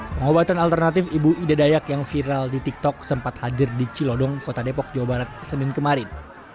pengobatan alternatif ibu ida dayak yang viral di tiktok sempat hadir di cilodong kota depok jawa barat senin kemarin